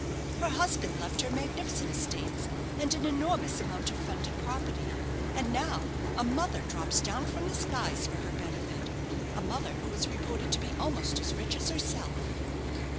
"Her husband left her magnificent estates, and an enormous amount of funded property; and now a mother drops down from the skies for her benefit a mother who is reported to be almost as rich as herself."